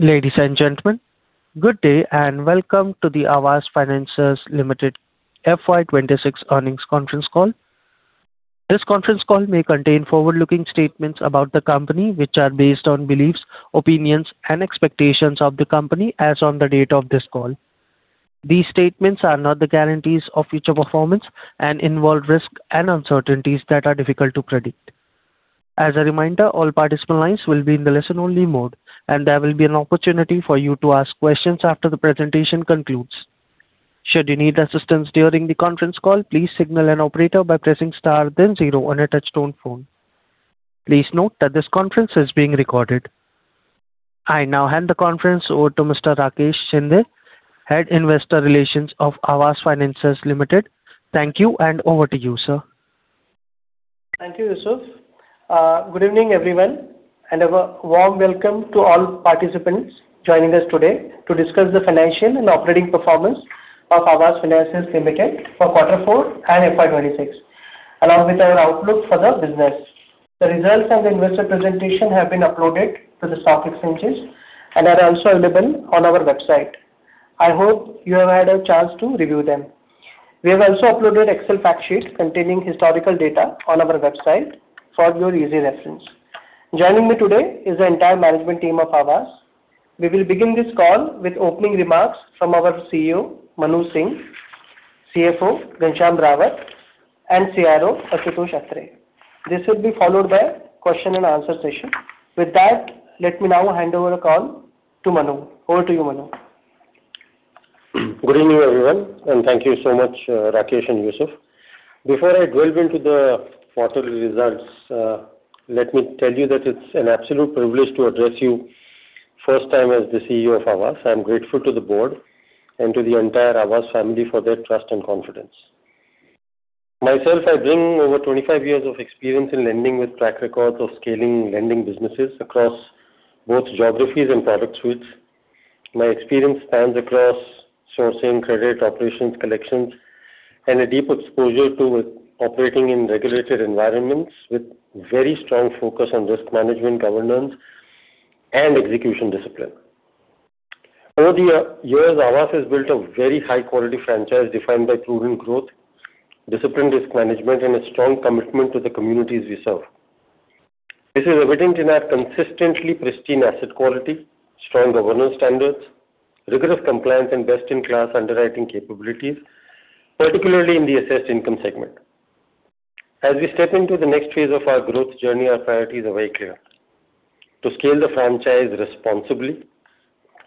Ladies and gentlemen, good day and welcome to the Aavas Financiers Limited FY 2026 earnings conference call. This conference call may contain forward-looking statements about the company, which are based on beliefs, opinions and expectations of the company as on the date of this call. These statements are not the guarantees of future performance and involve risks and uncertainties that are difficult to predict. As a reminder, all participant lines will be in the listen only mode, and there will be an opportunity for you to ask questions after the presentation concludes. Should you need assistance during the conference call, please signal an operator by pressing star then zero on a touch-tone phone. Please note that this conference is being recorded. I now hand the conference over to Mr. Rakesh Shinde, Head Investor Relations of Aavas Financiers Limited. Thank you and over to you, sir. Thank you, Yusuf. Good evening, everyone, and a warm welcome to all participants joining us today to discuss the financial and operating performance of Aavas Financiers Limited for quarter four and FY 2026, along with our outlook for the business. The results and the investor presentation have been uploaded to the stock exchanges and are also available on our website. I hope you have had a chance to review them. We have also uploaded Excel fact sheets containing historical data on our website for your easy reference. Joining me today is the entire management team of Aavas. We will begin this call with opening remarks from our CEO, Manu Singh, CFO, Ghanshyam Rawat, and CRO, Ashutosh Atre. This will be followed by question-and-answer session. With that, let me now hand over the call to Manu. Over to you, Manu. Good evening, everyone, and thank you so much, Rakesh and Yusuf. Before I delve into the quarterly results, let me tell you that it's an absolute privilege to address you first time as the CEO of Aavas. I'm grateful to the board and to the entire Aavas family for their trust and confidence. Myself, I bring over 25 years of experience in lending with track records of scaling lending businesses across both geographies and product suites. My experience spans across sourcing, credit, operations, collections, and a deep exposure to operating in regulated environments with very strong focus on risk management, governance, and execution discipline. Over the years, Aavas has built a very high quality franchise defined by prudent growth, disciplined risk management, and a strong commitment to the communities we serve. This is evident in our consistently pristine asset quality, strong governance standards, rigorous compliance and best-in-class underwriting capabilities, particularly in the assessed income segment. As we step into the next phase of our growth journey, our priorities are very clear. To scale the franchise responsibly,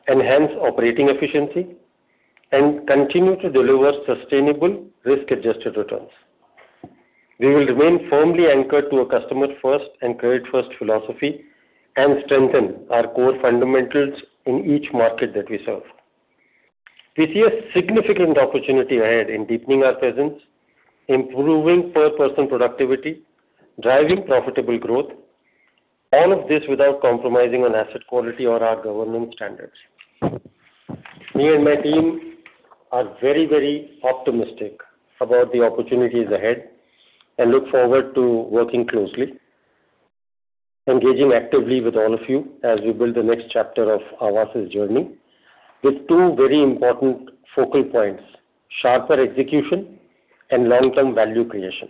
enhance operating efficiency, and continue to deliver sustainable risk-adjusted returns. We will remain firmly anchored to a customer first and credit first philosophy and strengthen our core fundamentals in each market that we serve. We see a significant opportunity ahead in deepening our presence, improving per person productivity, driving profitable growth, all of this without compromising on asset quality or our governance standards. Me and my team are very, very optimistic about the opportunities ahead and look forward to working closely, engaging actively with all of you as we build the next chapter of Aavas' journey with two very important focal points, sharper execution and long-term value creation.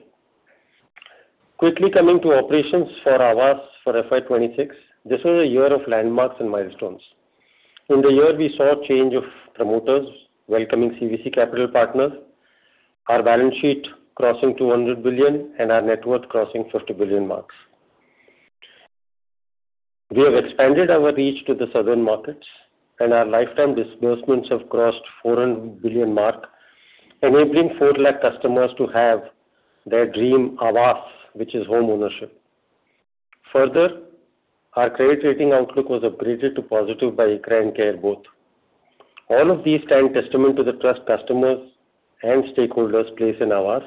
Quickly coming to operations for Aavas for FY 2026, this was a year of landmarks and milestones. In the year, we saw a change of promoters welcoming CVC Capital Partners, our balance sheet crossing 200 billion and our net worth crossing 50 billion marks. We have expanded our reach to the southern markets and our lifetime disbursements have crossed 400 billion mark, enabling 4 lakh customers to have their dream Aavas, which is homeownership. Further, our credit rating outlook was upgraded to positive by ICRA and CARE both. All of these stand testament to the trust customers and stakeholders place in Aavas,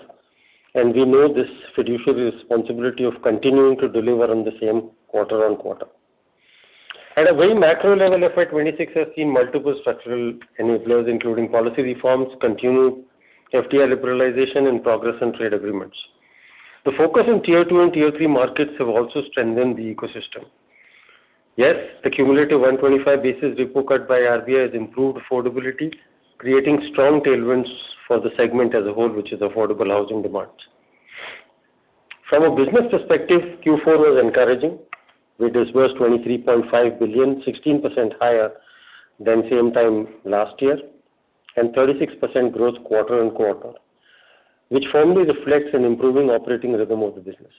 and we know this fiduciary responsibility of continuing to deliver on the same quarter-on-quarter. At a very macro level, FY 2026 has seen multiple structural enablers, including policy reforms, continued FDI liberalization and progress in trade agreements. The focus on Tier 2 and Tier 3 markets have also strengthened the ecosystem. Yes, the cumulative 125 basis repo cut by RBI has improved affordability, creating strong tailwinds for the segment as a whole, which is affordable housing demands. From a business perspective, Q4 was encouraging. We disbursed 23.5 billion, 16% higher than same time last year, and 36% growth quarter-on-quarter, which firmly reflects an improving operating rhythm of the business.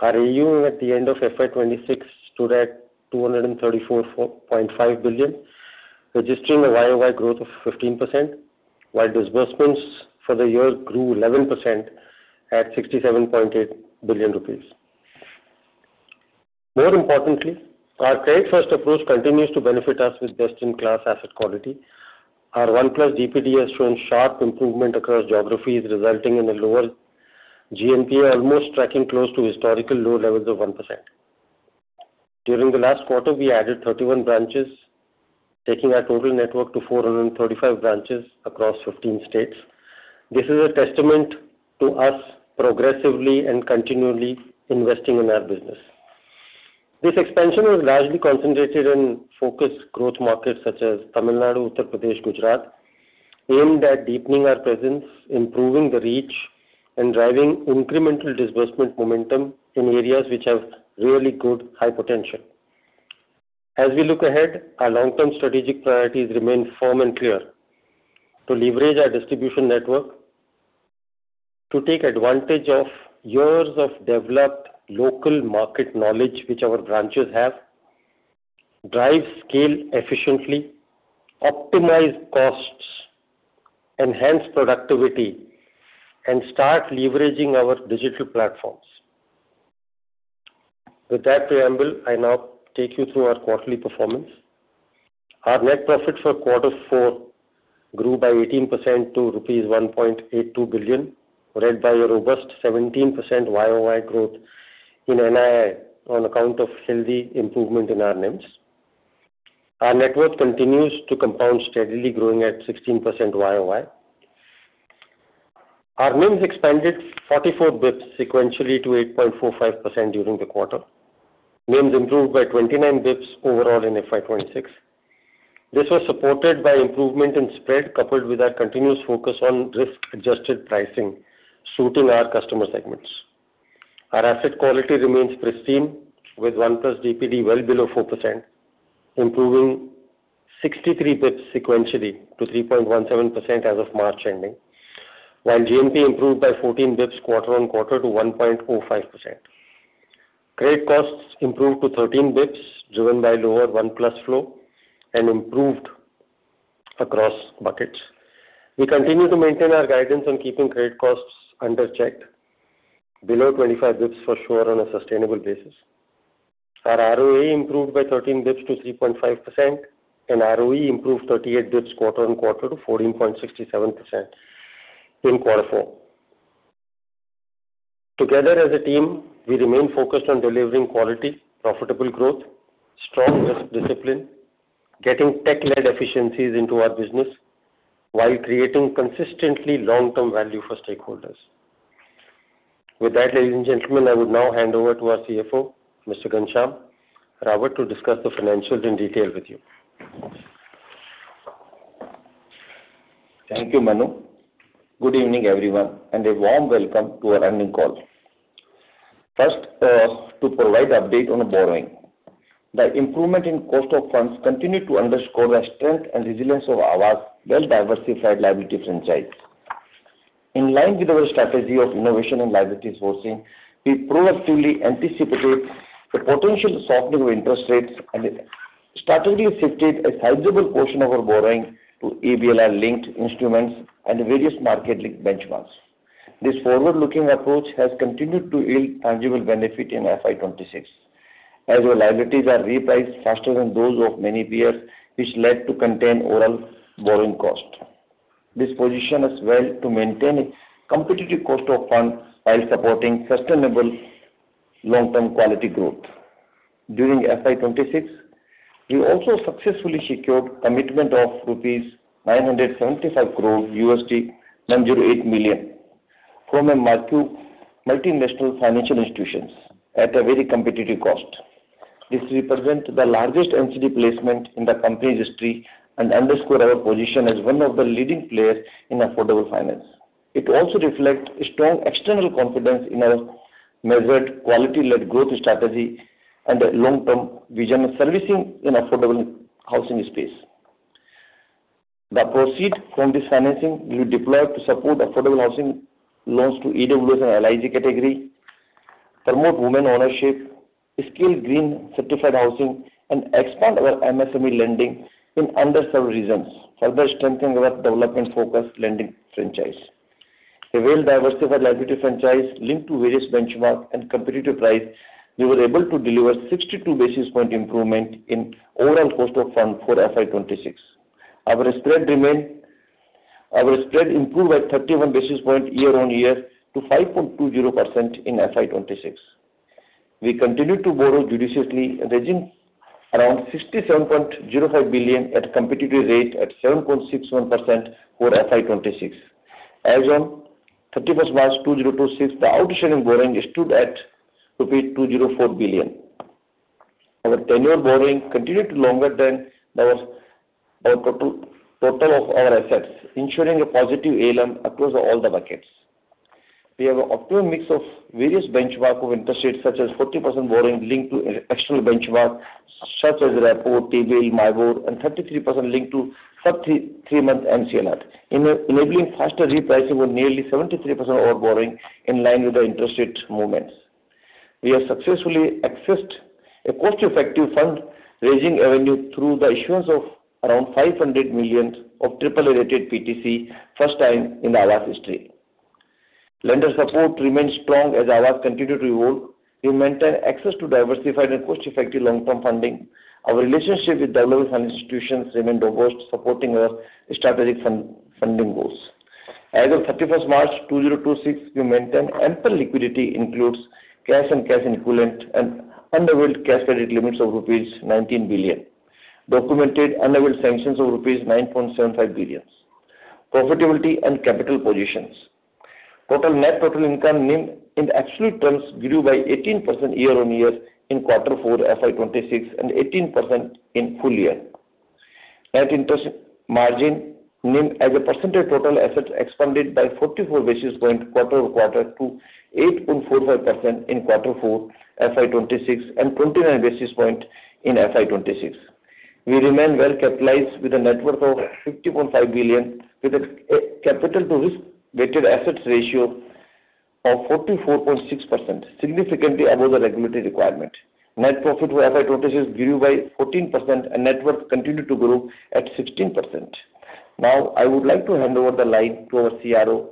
Our AUM at the end of FY 2026 stood at 234.5 billion, registering a YoY growth of 15%, while disbursements for the year grew 11% at 67.8 billion rupees. More importantly, our credit first approach continues to benefit us with best-in-class asset quality. Our 1+ DPD has shown sharp improvement across geographies, resulting in a lower GNPA, almost tracking close to historical low levels of 1%. During the last quarter, we added 31 branches, taking our total network to 435 branches across 15 states. This is a testament to us progressively and continually investing in our business. This expansion is largely concentrated in focused growth markets such as Tamil Nadu, Uttar Pradesh, Gujarat, aimed at deepening our presence, improving the reach, and driving incremental disbursement momentum in areas which have really good high potential. As we look ahead, our long-term strategic priorities remain firm and clear. To leverage our distribution network, to take advantage of years of developed local market knowledge which our branches have, drive scale efficiently, optimize costs, enhance productivity, and start leveraging our digital platforms. With that preamble, I now take you through our quarterly performance. Our net profit for quarter four grew by 18% to rupees 1.82 billion, led by a robust 17% YoY growth in NII on account of healthy improvement in our NIMs. Our network continues to compound steadily, growing at 16% YoY. Our NIMs expanded 44 basis points sequentially to 8.45% during the quarter. NIMs improved by 29 basis points overall in FY 2026. This was supported by improvement in spread, coupled with our continuous focus on risk-adjusted pricing suiting our customer segments. Our asset quality remains pristine, with 1+ DPD well below 4%, improving 63 basis points sequentially to 3.17% as of March ending, while GNPA improved by 14 basis points quarter-on-quarter to 1.05%. Credit costs improved to 13 basis points, driven by lower 1+ flow and improved across buckets. We continue to maintain our guidance on keeping credit costs under check below 25 basis points for sure on a sustainable basis. Our ROA improved by 13 basis points to 3.5% and ROE improved 38 basis points quarter-on-quarter to 14.67% in quarter four. Together as a team, we remain focused on delivering quality, profitable growth, strong risk discipline, getting tech-led efficiencies into our business while creating consistently long-term value for stakeholders. With that, ladies and gentlemen, I would now hand over to our CFO, Mr. Ghanshyam Rawat, to discuss the financials in detail with you. Thank you, Manu. Good evening, everyone, and a warm welcome to our earnings call. First, to provide update on borrowing. The improvement in cost of funds continue to underscore the strength and resilience of Aavas' well-diversified liability franchise. In line with our strategy of innovation and liability sourcing, we proactively anticipated the potential softening of interest rates and strategically shifted a sizable portion of our borrowing to EBLR-linked instruments and various market link benchmarks. This forward-looking approach has continued to yield tangible benefit in FY 2026 as our liabilities are repriced faster than those of many peers, which led to contained overall borrowing cost. This position us well to maintain a competitive cost of funds while supporting sustainable long-term quality growth. During FY 2026, we also successfully secured commitment of rupees 975 crore, $908 million from a multi national financial institutions at a very competitive cost. This represent the largest NCD placement in the company's history and underscore our position as one of the leading players in affordable finance. It also reflect strong external confidence in our measured quality-led growth strategy and a long-term vision of servicing in affordable housing space. The proceeds from this financing will be deployed to support affordable housing loans to EWS and LIG category, promote women ownership, scale green certified housing, and expand our MSME lending in underserved regions, further strengthening our development focused lending franchise. A well-diversified liability franchise linked to various benchmark and competitive price, we were able to deliver 62 basis point improvement in overall cost of funds for FY 2026. Our spread improved by 31 basis points year-on-year to 5.20% in FY 2026. We continue to borrow judiciously, raising around 67.05 billion at competitive rate at 7.61% for FY 2026. As on 31st March 2026, the outstanding borrowing stood at rupees 204 billion. Our tenure borrowing continued to longer than our total of our assets, ensuring a positive ALM across all the buckets. We have an optimum mix of various benchmark of interest rates such as 40% borrowing linked to external benchmark such as repo, T-Bill, MIBOR and 33% linked to three month MCLR, enabling faster repricing of nearly 73% of our borrowing in line with the interest rate movements. We have successfully accessed a cost-effective fundraising avenue through the issuance of around 500 million of AAA rated PTC first time in Aavas history. Lender support remains strong as Aavas continue to evolve. We maintain access to diversified and cost-effective long-term funding. Our relationship with developers and institutions remain robust, supporting our strategic funding goals. As of 31st March 2026, we maintain ample liquidity includes cash and cash equivalent and unveiled cash credit limits of rupees 19 billion. Documented unveiled sanctions of rupees 9.75 billion. Profitability and capital positions. Total net total income NIM in absolute terms grew by 18% year-over-year in quarter four FY 2026 and 18% in full-year. Net interest margin, NIM as a percentage total assets expanded by 44 basis points quarter-over-quarter to 8.45% in quarter four FY 2026 and 29 basis points in FY 2026. We remain well-capitalized with a net worth of 50.5 billion, with a capital-to-risk-weighted assets ratio of 44.6%, significantly above the regulatory requirement. Net profit for FY 2026 grew by 14% and net worth continued to grow at 16%. I would like to hand over the line to our CRO,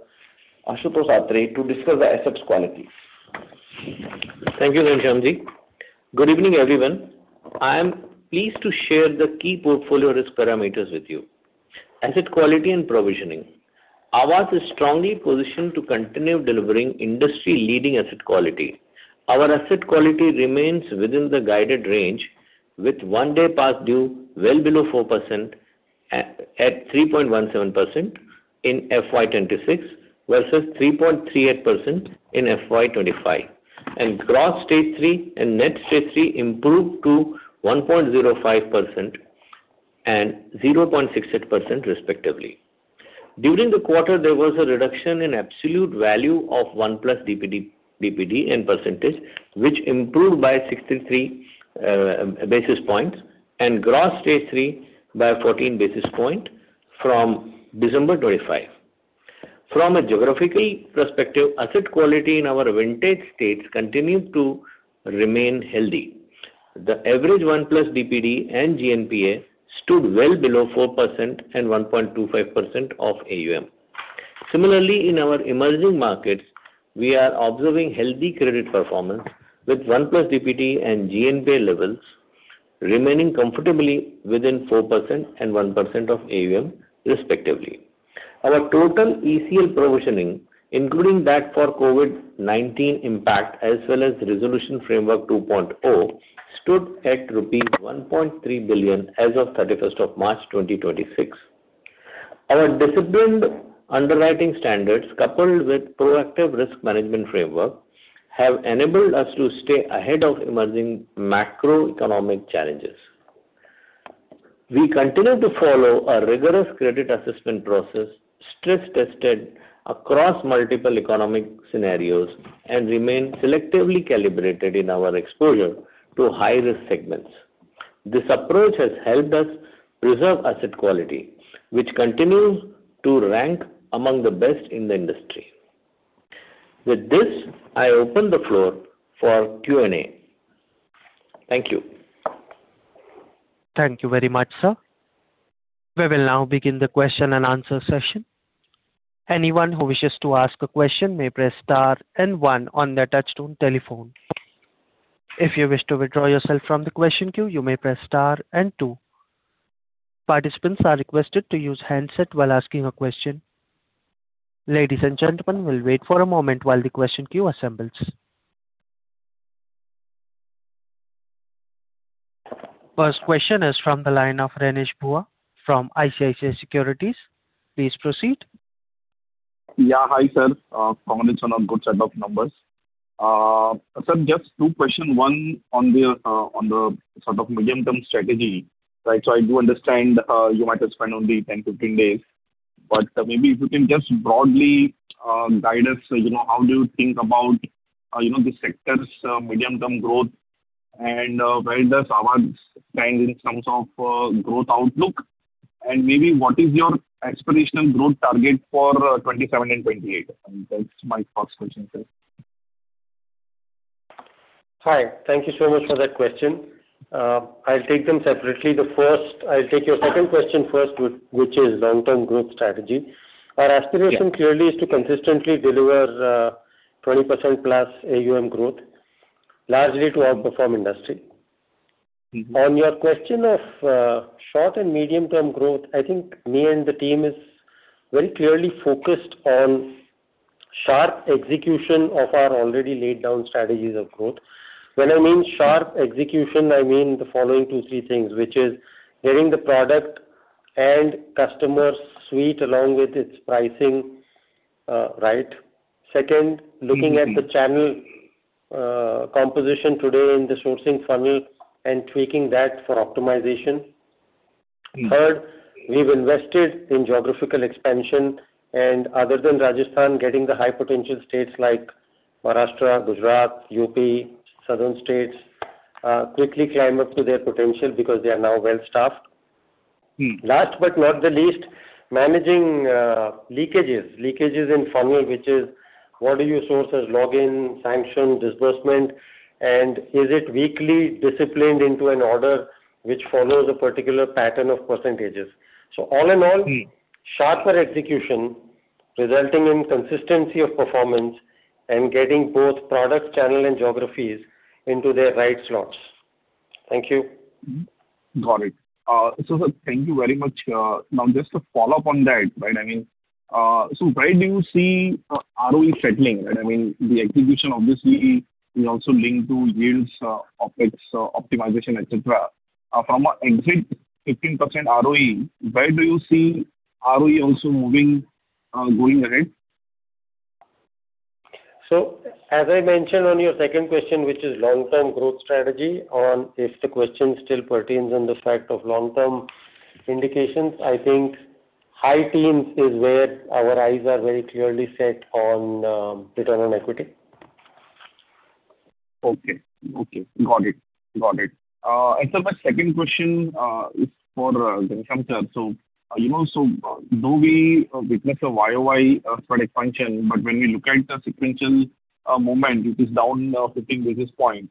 Ashutosh Atre, to discuss the asset quality. Thank you, Ghanshyam ji. Good evening, everyone. I am pleased to share the key portfolio risk parameters with you. Asset quality and provisioning. Aavas is strongly positioned to continue delivering industry-leading asset quality. Our asset quality remains within the guided range, with one day past due well below 4% at 3.17% in FY 2026 versus 3.38% in FY 2025. Gross Stage 3 and net Stage 3 improved to 1.05% and 0.68% respectively. During the quarter, there was a reduction in absolute value of 1+ DPD in percentage, which improved by 63 basis points and gross Stage 3 by 14 basis points from December 2025. From a geographical perspective, asset quality in our vintage states continue to remain healthy. The average 1+ DPD and GNPA stood well below 4% and 1.25% of AUM. Similarly, in our emerging markets, we are observing healthy credit performance with 1+ DPD and GNPA levels remaining comfortably within 4% and 1% of AUM respectively. Our total ECL provisioning, including that for COVID-19 impact as well as Resolution Framework 2.0, stood at rupees 1.3 billion as of 31st of March 2026. Our disciplined underwriting standards, coupled with proactive risk management framework, have enabled us to stay ahead of emerging macroeconomic challenges. We continue to follow a rigorous credit assessment process, stress-tested across multiple economic scenarios and remain selectively calibrated in our exposure to high-risk segments. This approach has helped us preserve asset quality, which continues to rank among the best in the industry. With this, I open the floor for Q&A. Thank you. Thank you very much, sir. We will now begin the question-and-answer session. Anyone who wishes to ask a question may press star and one on their touch-tone telephone. If you wish to withdraw yourself from the question queue, you may press star and two. Participants are requested to use handset while asking a question. Ladies and gentlemen, we will wait for a moment while the question queue assembles. First question is from the line of Renish Bhuva from ICICI Securities. Please proceed. Yeah. Hi, sir. Congratulations on a good set of numbers. Sir, just two question. One, on the sort of medium-term strategy. Right. I do understand, you might have spent only 10, 15 days, but maybe if you can just broadly guide us, you know, how do you think about, you know, the sector's medium-term growth and where does Aavas stand in terms of growth outlook and maybe what is your aspirational growth target for 2027 and 2028? That's my first question, sir. Hi. Thank you so much for that question. I'll take them separately. The first I'll take your second question first, which is long-term growth strategy. Our aspiration- Yeah. Clearly is to consistently deliver, 20%+ AUM growth, largely to outperform industry. On your question of short and medium-term growth, I think me and the team is very clearly focused on sharp execution of our already laid down strategies of growth. When I mean sharp execution, I mean the following two, three things, which is getting the product and customer suite along with its pricing right. Second, looking at the channel composition today in the sourcing funnel and tweaking that for optimization. Third, we've invested in geographical expansion and other than Rajasthan, getting the high potential states like Maharashtra, Gujarat, U.P., Southern states, quickly climb up to their potential because they are now well-staffed. Last but not the least, managing leakages. Leakages in funnel, which is what are your sources, login, sanction, disbursement, and is it weekly disciplined into an order which follows a particular pattern of percentages. Sharper execution resulting in consistency of performance and getting both product channel and geographies into their right slots. Thank you. Got it. Thank you very much. Now just a follow-up on that, right. I mean, where do you see ROE settling? I mean, the execution obviously is also linked to yields, OpEx, optimization, et cetera. From an exit 15% ROE, where do you see ROE also moving, going ahead? As I mentioned on your second question, which is long-term growth strategy on if the question still pertains on the fact of long-term indications, I think high teens is where our eyes are very clearly set on, return on equity. Okay. Okay. Got it. Got it. My second question is for Ghanshyam. You know, though we witness a YoY product function, but when we look at the sequential moment, it is down 15 basis point.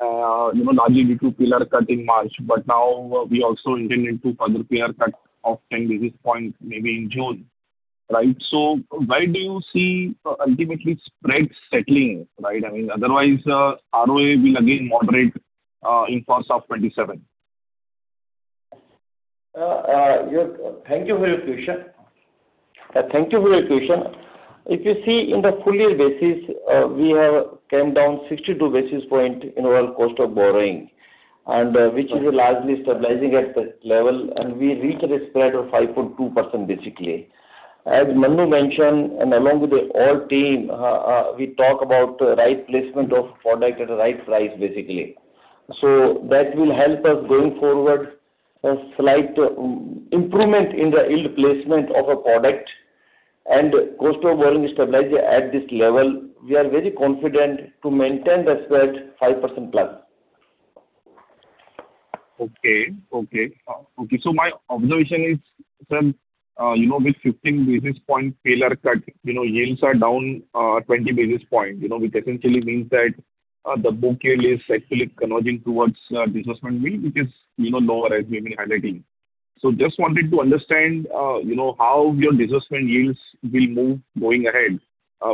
You know, largely due to PLR cut in March, but now we also intend into further PLR cut of 10 basis point maybe in June, right? Where do you see ultimately spreads settling, right? I mean, otherwise, ROE will again moderate in course of 2027. Thank you for your question. Thank you for your question. If you see in the full-year basis, we have came down 62 basis points in overall cost of borrowing. Which is largely stabilizing at this level, we reached a spread of 5.2% basically. As Manu mentioned, along with the all team, we talk about right placement of product at the right price, basically. That will help us going forward a slight improvement in the yield placement of a product and cost of borrowing stabilize at this level. We are very confident to maintain the spread 5%+. Okay. Okay. Okay, my observation is, sir, you know, with 15 basis point PLR cut, you know, yields are down, 20 basis point. You know, which essentially means that the book yield is actually converging towards disbursement yield, which is, you know, lower as maybe high teen. Just wanted to understand, you know, how your disbursement yields will move going ahead,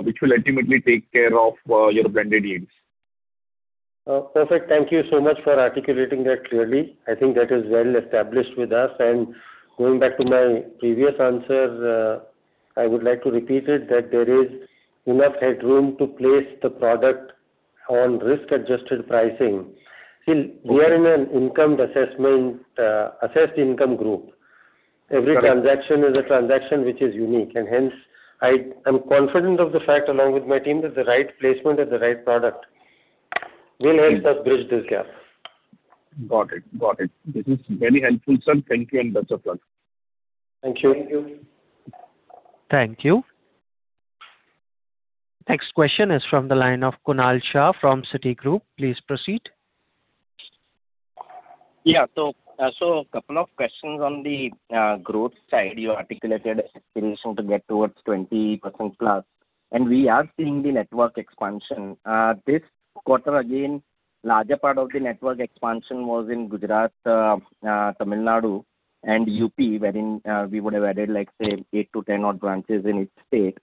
which will ultimately take care of your blended yields? Perfect. Thank you so much for articulating that clearly. I think that is well established with us. Going back to my previous answer, I would like to repeat it that there is enough headroom to place the product on risk-adjusted pricing. We are in an income assessment, assessed income group. Got it. Every transaction is a transaction which is unique and hence I am confident of the fact along with my team that the right placement at the right product will help us bridge this gap. Got it. This is very helpful, sir. Thank you and best of luck. Thank you. Thank you. Next question is from the line of Kunal Shah from Citigroup. Please proceed. Yeah. Couple of questions on the growth side. You articulated aspiration to get towards 20%+, we are seeing the network expansion. This quarter again, larger part of the network expansion was in Gujarat, Tamil Nadu and U.P., wherein we would have added, like, say, eight to 10 odd branches in each state.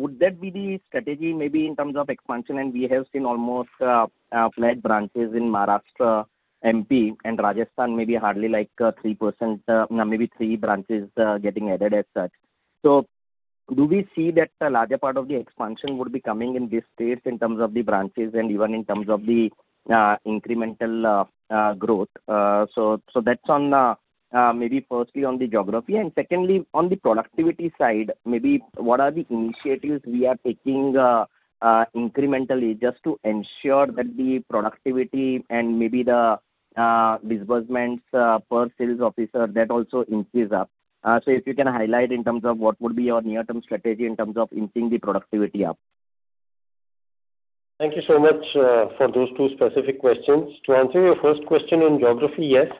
Would that be the strategy maybe in terms of expansion? We have seen almost flat branches in Maharashtra, M.P. and Rajasthan, maybe hardly like 3%, no maybe three branches, getting added as such. Do we see that the larger part of the expansion would be coming in these states in terms of the branches and even in terms of the incremental growth? So that's on, maybe firstly on the geography and secondly on the productivity side, maybe what are the initiatives we are taking incrementally just to ensure that the productivity and maybe the disbursements per sales officer that also increases up. If you can highlight in terms of what would be your near-term strategy in terms of increasing the productivity up. Thank you so much for those two specific questions. To answer your first question on geography, yes,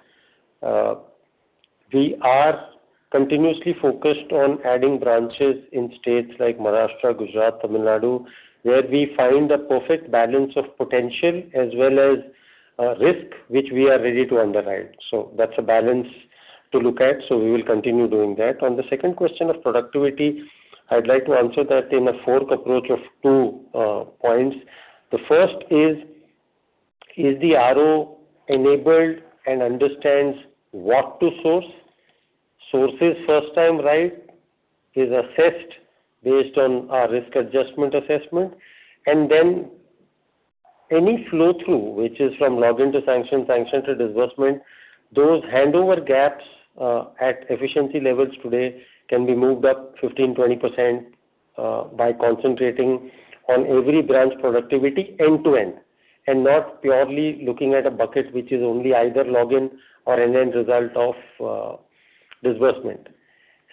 we are continuously focused on adding branches in states like Maharashtra, Gujarat, Tamil Nadu, where we find the perfect balance of potential as well as risk, which we are ready to underwrite. That's a balance to look at. We will continue doing that. On the second question of productivity, I'd like to answer that in a fork approach of two points. The first is the RO enabled and understands what to source. Source is first time right, is assessed based on our risk adjustment assessment, and then any flow-through, which is from login to sanction to disbursement, those handover gaps, at efficiency levels today can be moved up 15%, 20% by concentrating on every branch productivity end-to-end and not purely looking at a bucket which is only either login or end-to-end result of disbursement.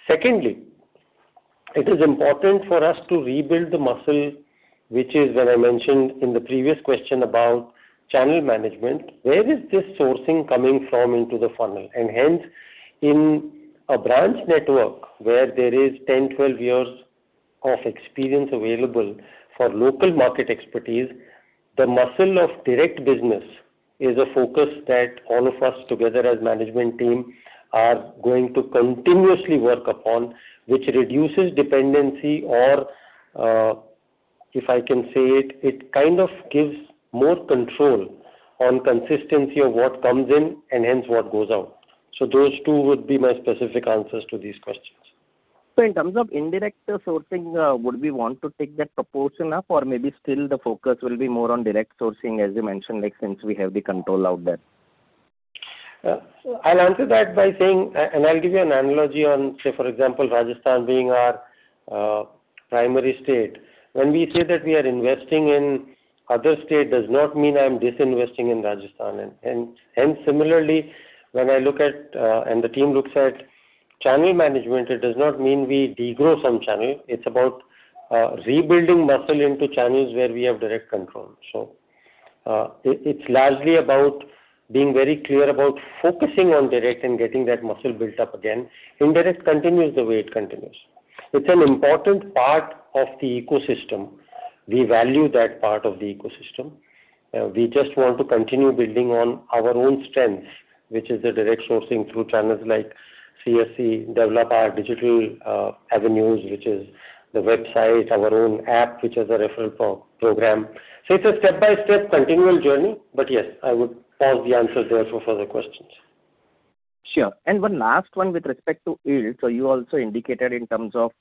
Secondly, it is important for us to rebuild the muscle, which is when I mentioned in the previous question about channel management. Where is this sourcing coming from into the funnel? Hence, in a branch network where there is 10, 12 years of experience available for local market expertise, the muscle of direct business is a focus that all of us together as management team are going to continuously work upon, which reduces dependency or, If I can say it kind of gives more control on consistency of what comes in and hence what goes out. Those two would be my specific answers to these questions. In terms of indirect sourcing, would we want to take that proportion up or maybe still the focus will be more on direct sourcing, as you mentioned, like since we have the control out there? I'll answer that by saying and I'll give you an analogy on, say, for example, Rajasthan being our primary state. When we say that we are investing in other state does not mean I'm disinvesting in Rajasthan. Similarly, when I look at and the team looks at channel management, it does not mean we de-grow some channel. It's about rebuilding muscle into channels where we have direct control. It's largely about being very clear about focusing on direct and getting that muscle built up again. Indirect continues the way it continues. It's an important part of the ecosystem. We value that part of the ecosystem. We just want to continue building on our own strengths, which is the direct sourcing through channels like CSC, develop our digital avenues, which is the website, our own app, which has a referral pro-program. It's a step-by-step continual journey. Yes, I would pause the answer there for further questions. Sure. One last one with respect to yield. You also indicated in terms of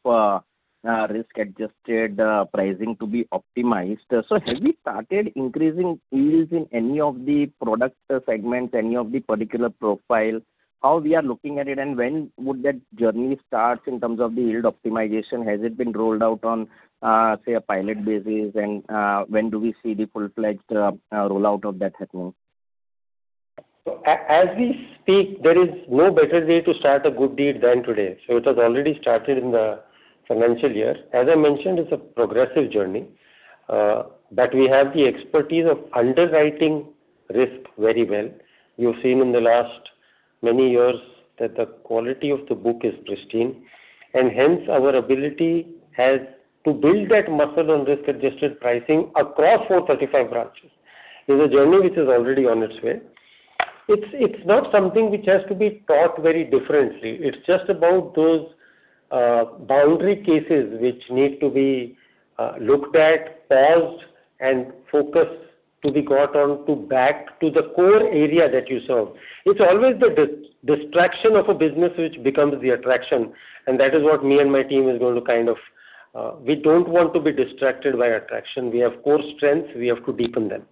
risk-adjusted pricing to be optimized. Have you started increasing yields in any of the product segments, any of the particular profile? How we are looking at it, and when would that journey start in terms of the yield optimization? Has it been rolled out on, say, a pilot basis? When do we see the full-fledged rollout of that happening? As we speak, there is no better way to start a good deed than today. It has already started in the financial year. As I mentioned, it's a progressive journey, but we have the expertise of underwriting risk very well. You've seen in the last many years that the quality of the book is pristine, and hence our ability has to build that muscle on risk-adjusted pricing across 435 branches. Is a journey which is already on its way. It's not something which has to be taught very differently. It's just about those boundary cases which need to be looked at, paused and focused to be got on to back to the core area that you serve. It's always the distraction of a business which becomes the attraction. We don't want to be distracted by attraction. We have core strengths. We have to deepen them.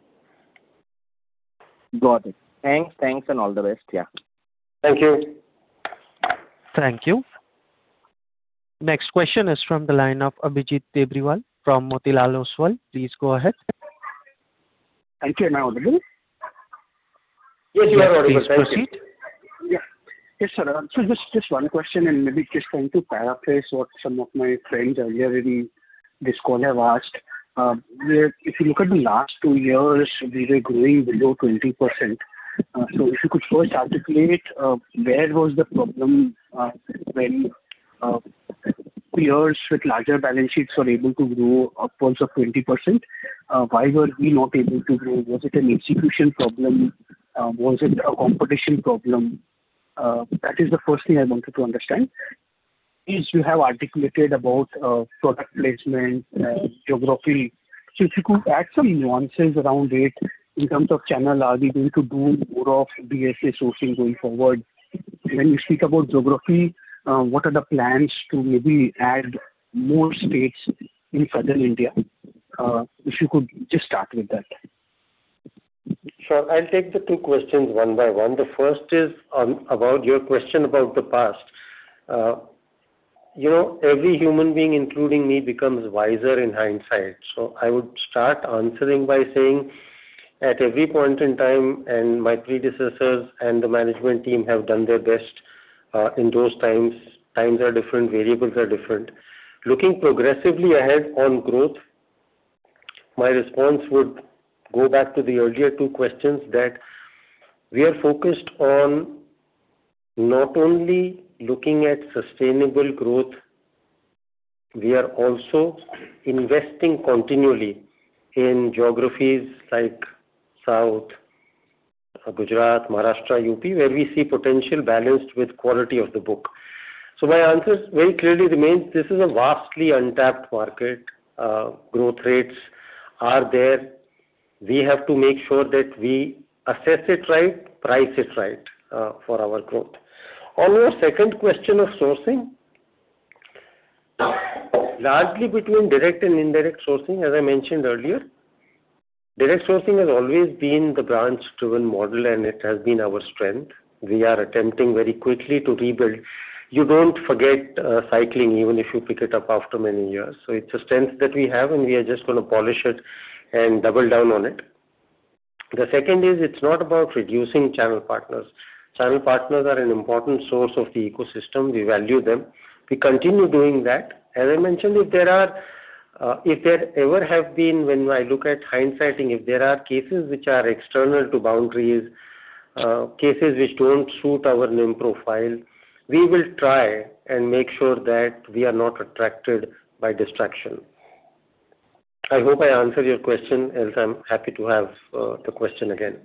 Got it. Thanks. Thanks and all the best. Yeah. Thank you. Thank you. Next question is from the line of Abhijit Tibrewal from Motilal Oswal. Please go ahead. Thank you. Am I audible? Yeah, you are audible. Thank you. Yeah, please proceed. Yes, sir. Just one question and maybe just trying to paraphrase what some of my friends earlier in this call have asked. Where if you look at the last two years, we were growing below 20%. If you could first articulate where was the problem when peers with larger balance sheets were able to grow upwards of 20%, why were we not able to grow? Was it an execution problem? Was it a competition problem? That is the first thing I wanted to understand. Since you have articulated about product placement, geography. If you could add some nuances around it in terms of channel. Are we going to do more of DSA sourcing going forward? When you speak about geography, what are the plans to maybe add more states in Southern India? If you could just start with that. Sure. I'll take the two questions one by one. The first is on about your question about the past. You know, every human being, including me, becomes wiser in hindsight. I would start answering by saying at every point in time, and my predecessors and the management team have done their best in those times. Times are different, variables are different. Looking progressively ahead on growth, my response would go back to the earlier two questions that we are focused on not only looking at sustainable growth, we are also investing continually in geographies like South, Gujarat, Maharashtra, U.P., where we see potential balanced with quality of the book. My answer very clearly remains this is a vastly untapped market. Growth rates are there. We have to make sure that we assess it right, price it right for our growth. On your second question of sourcing, largely between direct and indirect sourcing, as I mentioned earlier, direct sourcing has always been the branch-driven model, and it has been our strength. We are attempting very quickly to rebuild. You don't forget cycling even if you pick it up after many years. It's a strength that we have, and we are just gonna polish it and double down on it. The second is it's not about reducing channel partners. Channel partners are an important source of the ecosystem. We value them. We continue doing that. As I mentioned, if there are, if there ever have been when I look at hindsighting, if there are cases which are external to boundaries, cases which don't suit our name profile, we will try and make sure that we are not attracted by distraction. I hope I answered your question. Else I'm happy to have, the question again.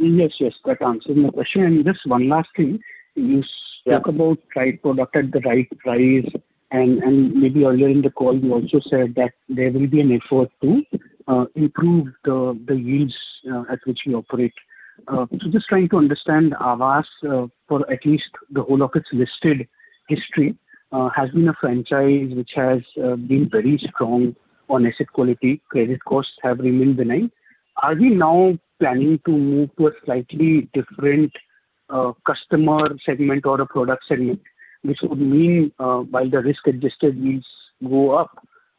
Yes, yes, that answers my question. Just one last thing. Yeah. You spoke about right product at the right price. Maybe earlier in the call you also said that there will be an effort to improve the yields at which we operate. Just trying to understand Aavas, for at least the whole of its listed history, has been a franchise which has been very strong on asset quality. Credit costs have remained benign. Are we now planning to move to a slightly different customer segment or a product segment? This would mean, while the risk-adjusted yields go up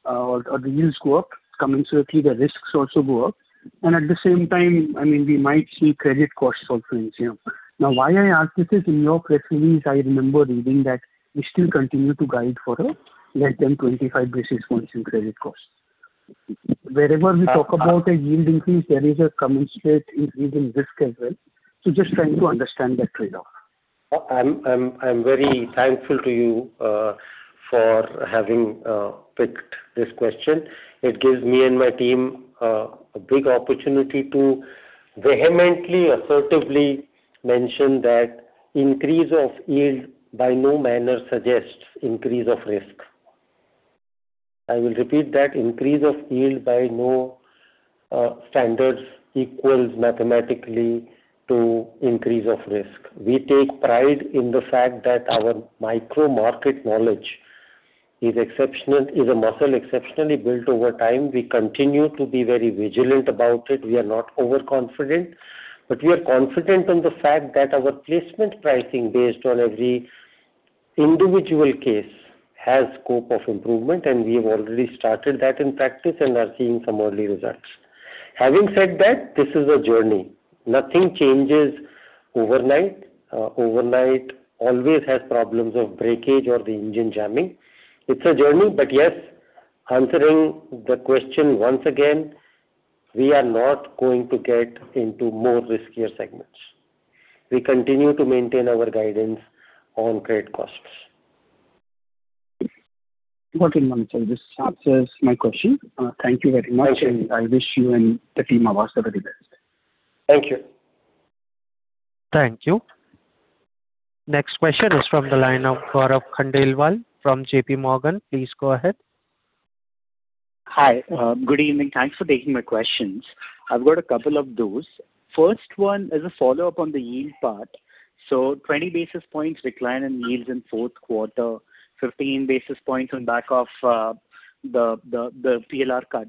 or the yields go up, commensurately the risks also go up. At the same time, I mean, we might see credit costs also inching up. Now, why I ask this is in your press release, I remember reading that you still continue to guide for a less than 25 basis points in credit costs. Wherever we talk about a yield increase, there is a commensurate increase in risk as well. Just trying to understand that trade-off. I'm very thankful to you for having picked this question. It gives me and my team a big opportunity to vehemently, assertively mention that increase of yield by no manner suggests increase of risk. I will repeat that. Increase of yield by no standards equals mathematically to increase of risk. We take pride in the fact that our micro market knowledge is exceptional, a muscle exceptionally built over time. We continue to be very vigilant about it. We are not overconfident, but we are confident on the fact that our placement pricing based on every individual case has scope of improvement, and we have already started that in practice and are seeing some early results. Having said that, this is a journey. Nothing changes overnight. Overnight always has problems of breakage or the engine jamming. It's a journey. Yes, answering the question once again, we are not going to get into more riskier segments. We continue to maintain our guidance on credit costs. Okay, Manu. This answers my question. Thank you very much. Okay. I wish you and the team Aavas the very best. Thank you. Thank you. Next question is from the line of Gaurav Khandelwal from JPMorgan. Please go ahead. Hi. Good evening. Thanks for taking my questions. I've got a couple of those. First one is a follow-up on the yield part. 20 basis points decline in yields in fourth quarter, 15 basis points on back of the PLR cut.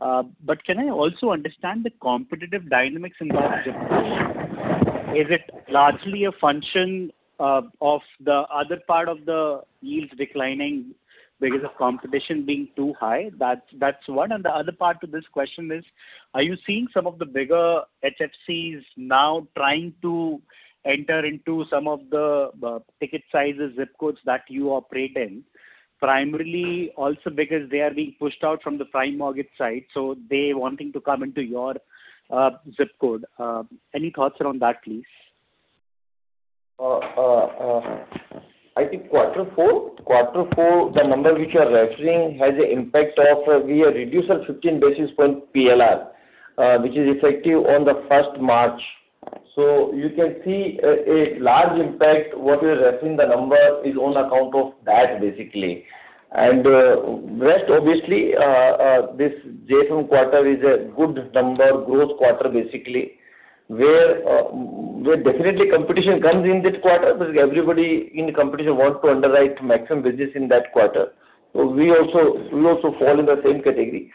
Can I also understand the competitive dynamics in that compression? Is it largely a function of the other part of the yields declining because of competition being too high? That's one. The other part to this question is, are you seeing some of the bigger HFCs now trying to enter into some of the ticket sizes, zip codes that you operate in? Primarily also because they are being pushed out from the prime mortgage side, so they wanting to come into your zip code. Any thoughts around that, please? I think quarter four. Quarter four, the number which you are referring has a impact of we have reduced our 15 basis point PLR, which is effective on the 1st March. You can see a large impact what you're referencing the number is on account of that, basically. Rest obviously, this June quarter is a good number growth quarter, basically, where definitely competition comes in this quarter because everybody in competition wants to underwrite maximum business in that quarter. We also fall in the same category.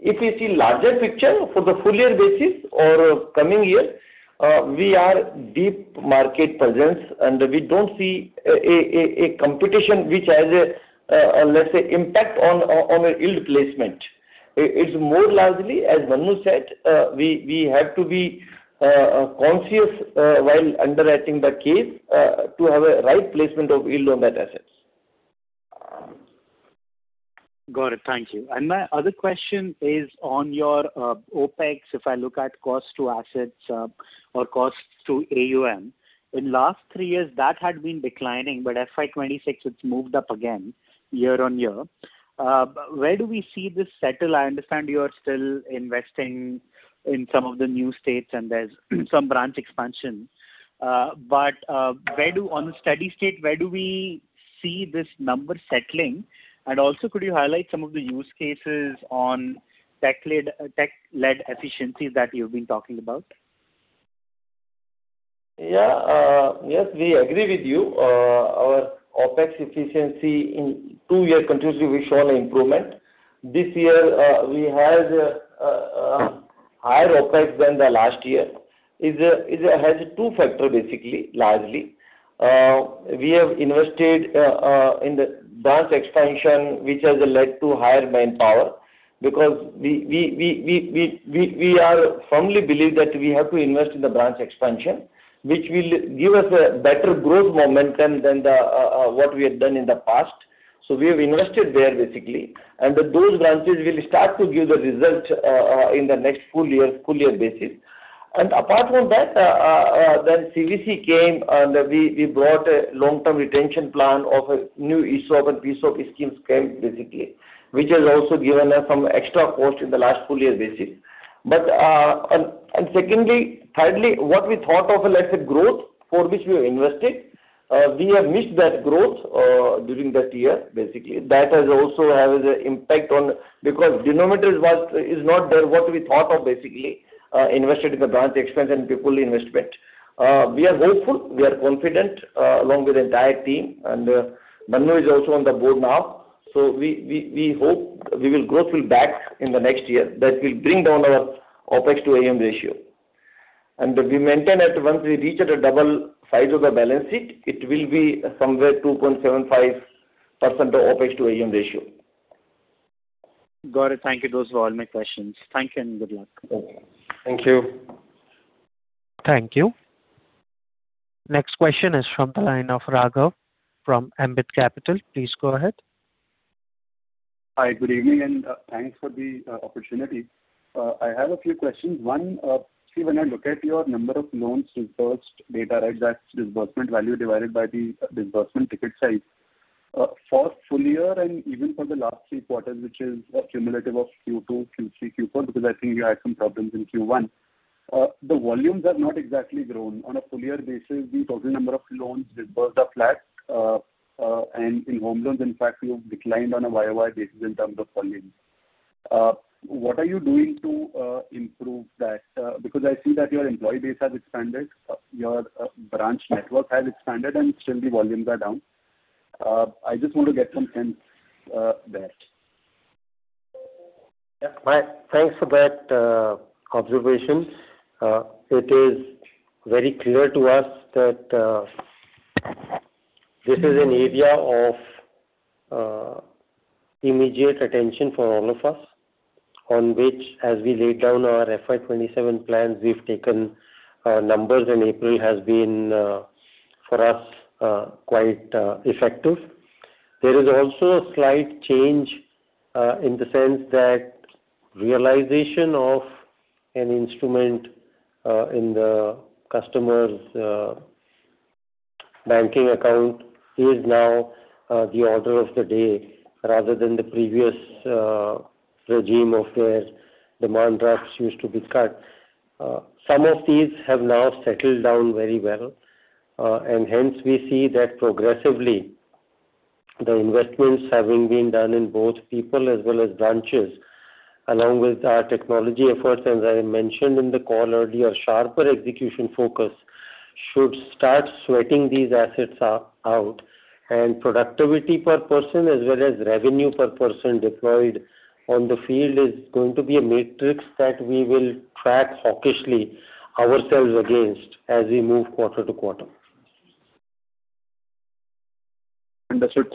If you see larger picture for the full-year basis or coming year, we are deep market presence, and we don't see a competition which has a, let's say, impact on a yield placement. It's more largely, as Manu said, we have to be conscious while underwriting the case to have a right placement of yield on that assets. Got it. Thank you. My other question is on your OpEx. If I look at cost to assets or cost to AUM, in last three years, that had been declining, but FY 2026 it's moved up again year-on-year. Where do we see this settle? I understand you are still investing in some of the new states and there's some branch expansion. Where do on a steady state, where do we see this number settling? Also could you highlight some of the use cases on tech-led efficiencies that you've been talking about? Yes, we agree with you. Our OpEx efficiency in two year continuously we've shown improvement. This year, we have higher OpEx than the last year. Is a, has two factors basically, largely. We have invested in the branch expansion, which has led to higher manpower because we firmly believe that we have to invest in the branch expansion, which will give us a better growth momentum than what we have done in the past. We have invested there basically, and those branches will start to give the result in the next full-year basis. Apart from that, CVC came and we brought a long-term retention plan of a new ESOP and PSOP schemes, which has also given us some extra cost in the last full-year basis. Secondly, thirdly, what we thought of, let's say, growth for which we have invested, we have missed that growth during that year. That has also a impact on because denominators was not there what we thought of, invested in the branch expense and people investment. We are hopeful, we are confident, along with the entire team and Manu is also on the board now. We hope we will grow full back in the next year. That will bring down our OpEx to AUM ratio. We maintain that once we reach at a double size of the balance sheet, it will be somewhere 2.75% of OpEx to AUM ratio. Got it. Thank you. Those were all my questions. Thank you and good luck. Thank you. Thank you. Next question is from the line of Raghav from Ambit Capital. Please go ahead. Hi, good evening, thanks for the opportunity. I have a few questions. One, see when I look at your number of loans dispersed data, right? That's disbursement value divided by the disbursement ticket size. For full-year and even for the last three quarters, which is a cumulative of Q2, Q3, Q4, because I think you had some problems in Q1. The volumes have not exactly grown. On a full-year basis, the total number of loans disbursed are flat. In home loans, in fact, you've declined on a YoY basis in terms of volumes. What are you doing to improve that? Because I see that your employee base has expanded, your branch network has expanded, still the volumes are down. I just want to get some sense there. Yeah. Thanks for that observation. It is very clear to us that this is an area of immediate attention for all of us on which as we laid down our FY 2027 plans, we've taken numbers and April has been for us quite effective. There is also a slight change in the sense that realization of an instrument in the customer's banking account is now the order of the day rather than the previous regime of where demand drafts used to be cut. Some of these have now settled down very well, hence we see that progressively the investments having been done in both people as well as branches, along with our technology efforts, as I mentioned in the call earlier, sharper execution focus should start sweating these assets out. Productivity per person as well as revenue per person deployed on the field is going to be a matrix that we will track hawkishly ourselves against as we move quarter-to-quarter. Understood.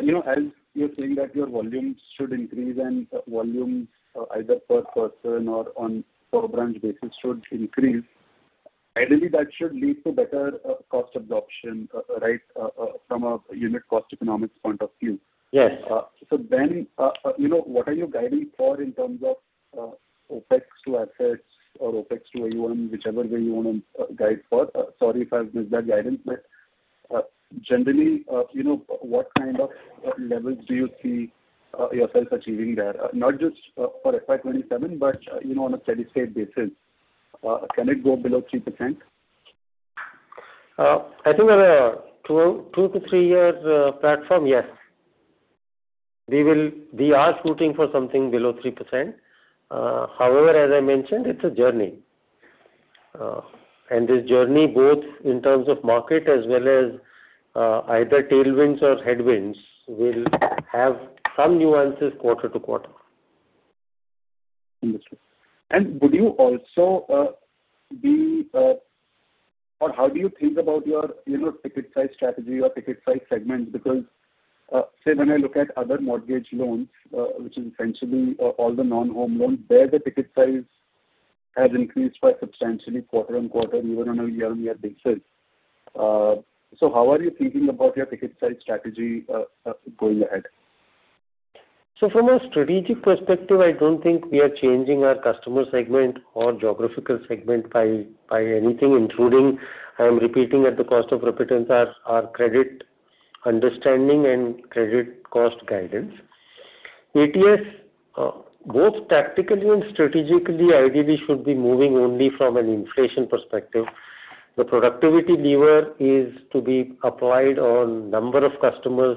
You know, as you're saying that your volumes should increase and volumes either per person or on per branch basis should increase, ideally that should lead to better cost absorption, right, from a unit cost economics point of view. Yes. You know, what are you guiding for in terms of OpEx to assets or OpEx to AUM, whichever way you wanna guide for? Sorry if I've missed that guidance, but generally, you know, what kind of levels do you see yourself achieving there? Not just for FY 2027, but, you know, on a steady state basis. Can it go below 3%? I think on a two to three year platform, yes. We are shooting for something below 3%. However, as I mentioned, it's a journey. This journey both in terms of market as well as either tailwinds or headwinds will have some nuances quarter-to-quarter. Understood. Would you also or how do you think about your, you know, ticket size strategy or ticket size segment? Because, say when I look at other mortgage loans, which is essentially, all the non-home loans, there the ticket size has increased by substantially quarter-on-quarter and even on a year-on-year basis. How are you thinking about your ticket size strategy, going ahead? From a strategic perspective, I don't think we are changing our customer segment or geographical segment by anything, including, I am repeating at the cost of repentance, our credit understanding and credit cost guidance. ATS, both tactically and strategically, ideally should be moving only from an inflation perspective. The productivity lever is to be applied on number of customers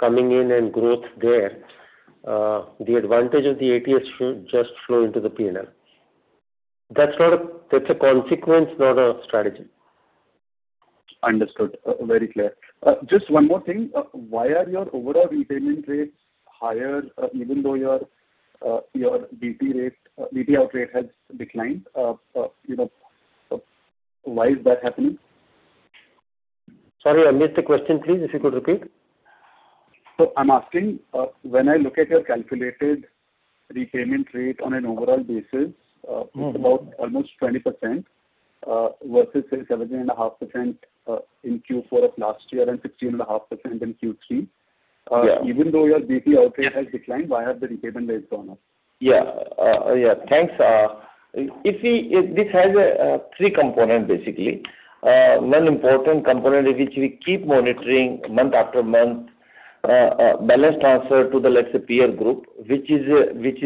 coming in and growth there. The advantage of the ATS should just flow into the P&L. That's a consequence, not a strategy. Understood. Very clear. Just one more thing. Why are your overall repayment rates higher, even though your DP rate, DPO rate has declined? You know, why is that happening? Sorry, I missed the question please. If you could repeat. I'm asking, when I look at your calculated repayment rate on an overall basis. It's about almost 20% versus say 17.5% in Q4 of last year and 16.5% in Q3. Even though your BT out rate has declined, why have the repayment rates gone up? Yeah. Yeah, thanks. This has three components, basically. One important component is which we keep monitoring month after month, balance transfer to the, let's say, peer group. We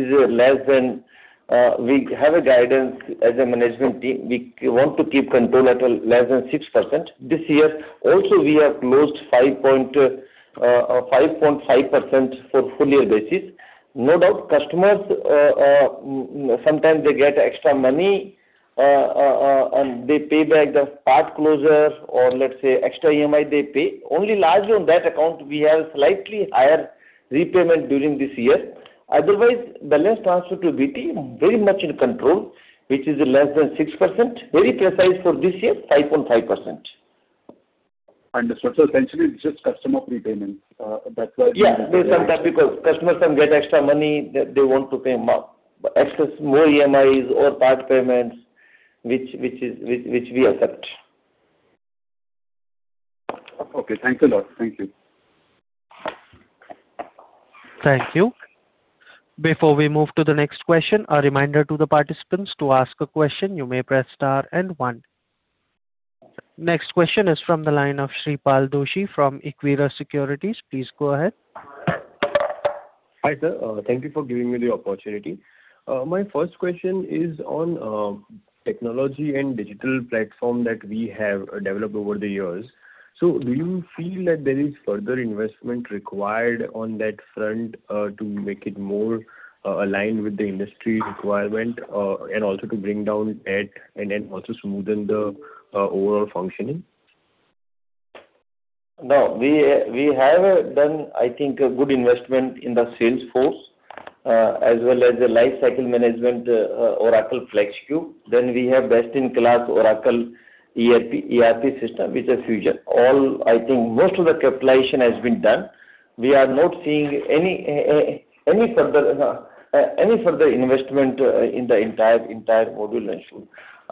have a guidance as a management team. We want to keep control at less than 6%. This year also we have closed 5.5% for full-year basis. No doubt, customers, sometimes they get extra money, and they pay back the part closure or let's say extra EMI they pay. Only largely on that account we have slightly higher repayment during this year. Otherwise, balance transfer to BT very much in control, which is less than 6%. Very precise for this year, 5.5%. Understood. essentially it's just customer prepayment. Yeah. Customers can get extra money that they want to pay more, excess, more EMIs or part payments, which is, which we accept. Okay, thanks a lot. Thank you. Thank you. Before we move to the next question, a reminder to the participants, to ask a question, you may press star and one. Next question is from the line of Shreepal Doshi from Equirus Securities. Please go ahead. Hi, sir. Thank you for giving me the opportunity. My first question is on technology and digital platform that we have developed over the years. Do you feel that there is further investment required on that front to make it more aligned with the industry requirement and also to bring down debt and also smoothen the overall functioning? No. We have done, I think, a good investment in the Salesforce, as well as the lifecycle management, Oracle FLEXCUBE. We have best-in-class Oracle ERP system, which is Fusion. All, I think, most of the capitalization has been done. We are not seeing any further investment in the entire module.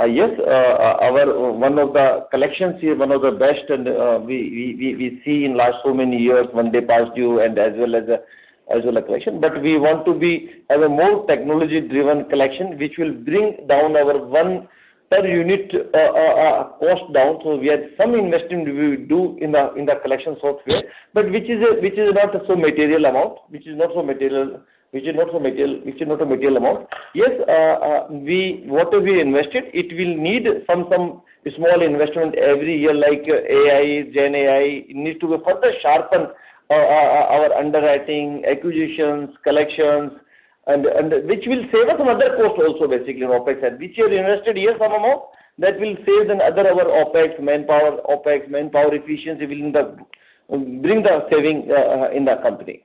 Yes, one of the collections here, one of the best and we see in last so many years when DPD and as well as a collection. We want to be as a more technology-driven collection, which will bring down our one per unit cost down. We had some investing we do in the collection software, but which is not so material amount. Which is not so material, which is not a material amount. Yes, what we invested, it will need some small investment every year, like AI, GenAI. It needs to be further sharpen our underwriting, acquisitions, collections, and which will save us some other cost also basically in OpEx. Which you have invested here some amount that will save in other our OpEx, manpower OpEx, manpower efficiency will bring the saving in the company.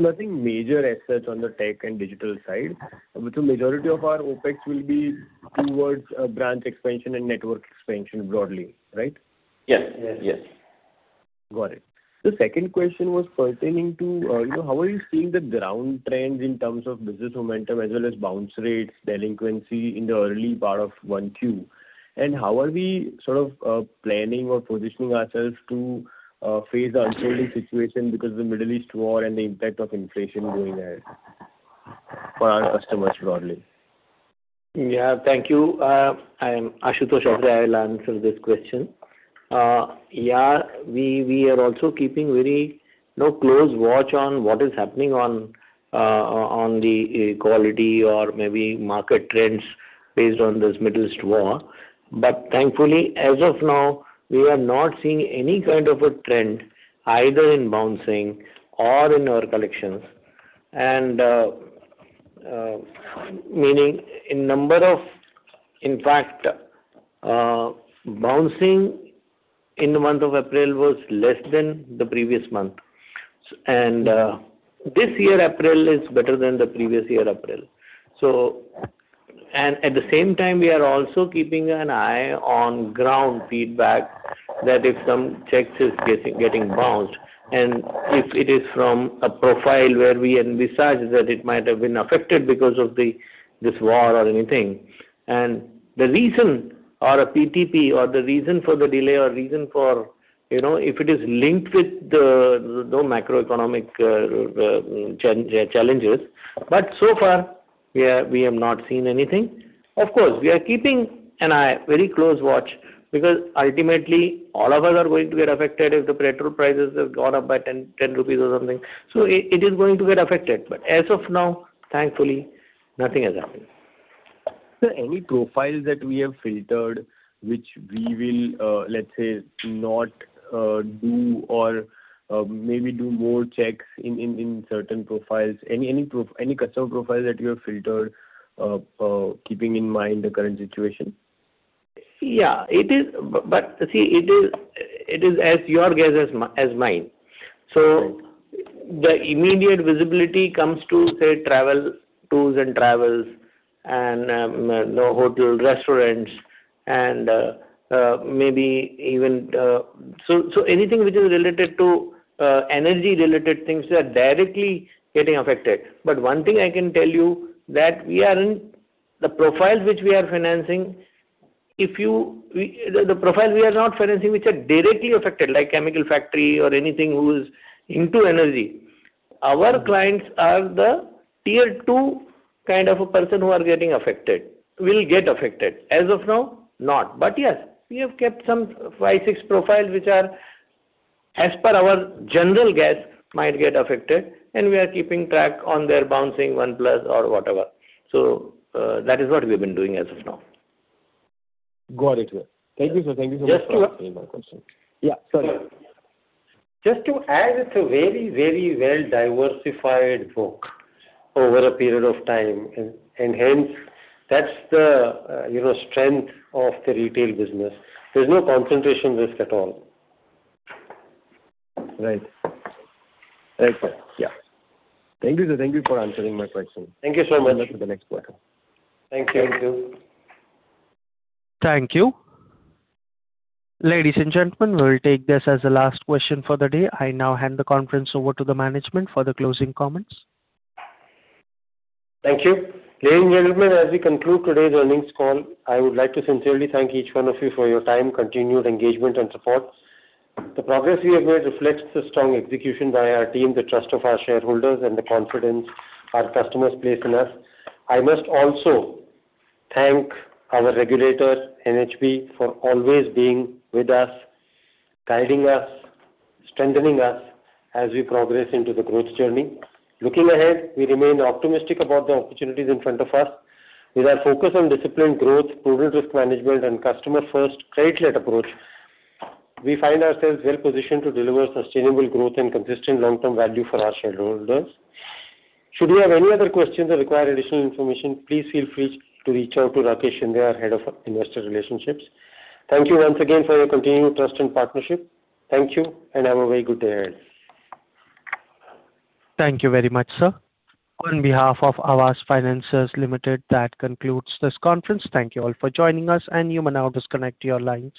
Nothing major as such on the tech and digital side. The majority of our OpEx will be towards branch expansion and network expansion broadly, right? Yes. Yes, yes. Got it. The second question was pertaining to, you know, how are you seeing the ground trends in terms of business momentum as well as bounce rates, delinquency in the early part of 1Q? How are we sort of planning or positioning ourselves to face the unfolding situation because the Middle East war and the impact of inflation going ahead for our customers broadly? Thank you. I am Ashutosh. I will answer this question. we are also keeping very, you know, close watch on what is happening on the equality or maybe market trends based on this Middle East war. Thankfully, as of now, we are not seeing any one kind of a trend either in bouncing or in our collections. In fact, bouncing in the month of April was less than the previous month. This year April is better than the previous year April. At the same time, we are also keeping an eye on ground feedback that if some checks is getting bounced, and if it is from a profile where we envisage that it might have been affected because of this war or anything. The reason or a PTP or the reason for the delay or reason for, you know, if it is linked with the macroeconomic challenges. So far, we have not seen anything. Of course, we are keeping an eye, very close watch, because ultimately all of us are going to get affected if the petrol prices have gone up by 10 rupees or something. It is going to get affected. As of now, thankfully, nothing has happened. Sir, any profiles that we have filtered, which we will, let's say not, do or, maybe do more checks in certain profiles? Any customer profile that you have filtered, keeping in mind the current situation? Yeah, it is. See, it is as your guess as mine. Right. The immediate visibility comes to, say, travel, tools and travels and you know, hotel, restaurants and maybe even. Anything which is related to energy-related things that are directly getting affected. One thing I can tell you that the profile we are not financing which are directly affected, like chemical factory or anything who's into energy. Our clients are the Tier 2 kind of a person who are getting affected. Will get affected. As of now, not. Yes, we have kept some five, six profiles which are, as per our general guess, might get affected, and we are keeping track on their bouncing 1+ or whatever. That is what we've been doing as of now. Got it. Thank you, sir. Thank you so much for answering my question. Just to add, it's a very well-diversified book over a period of time and hence that's the, you know, strength of the retail business. There's no concentration risk at all. Right. Excellent. Thank you, sir. Thank you for answering my question. Thank you so much. Over to the next person. Thank you. Thank you. Ladies and gentlemen, we will take this as the last question for the day. I now hand the conference over to the management for the closing comments. Thank you. Ladies and gentlemen, as we conclude today's earnings call, I would like to sincerely thank each one of you for your time, continued engagement and support. The progress we have made reflects the strong execution by our team, the trust of our shareholders and the confidence our customers place in us. I must also thank our regulator, NHB, for always being with us, guiding us, strengthening us as we progress into the growth journey. Looking ahead, we remain optimistic about the opportunities in front of us. With our focus on disciplined growth, prudent risk management, and customer-first credit-led approach, we find ourselves well-positioned to deliver sustainable growth and consistent long-term value for our shareholders. Should you have any other questions that require additional information, please feel free to reach out to Rakesh Shinde, our Head of Investor Relations. Thank you once again for your continued trust and partnership. Thank you, have a very good day ahead. Thank you very much, sir. On behalf of Aavas Financiers Limited, that concludes this conference. Thank you all for joining us. You may now disconnect your line.